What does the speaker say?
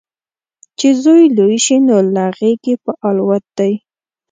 چې زوی لوی شي، نو له غیږې په الوت دی